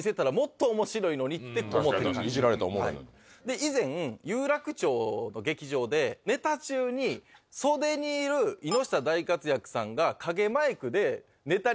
以前有楽町の劇場でネタ中に袖にいる井下大活躍さんが。